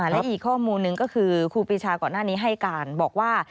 และอีกข้อมูลหนึ่งก็คือครูปีชาก่อนหน้านี้ให้การบอกว่า